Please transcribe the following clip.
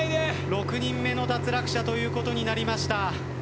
６人目の脱落者ということになりました。